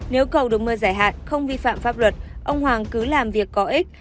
nếu cầu được mưa giải hạn không vi phạm pháp luật ông hoàng cứ làm việc có ích